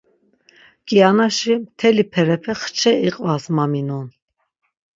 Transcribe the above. Kianaşi mteli perepe xçe iqvas ya minon.